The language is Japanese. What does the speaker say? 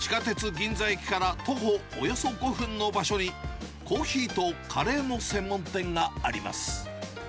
銀座駅から徒歩およそ５分の場所に、コーヒーとカレーの専門店があります。